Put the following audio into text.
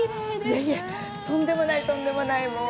いえいえ、とんでもない、とんでもない。